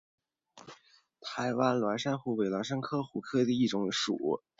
台湾蕈珊瑚为蕈珊瑚科蕈珊瑚属下的一个种。